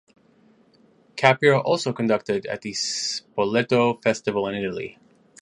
Caprio also conducted at the Spoleto Festival in Italy.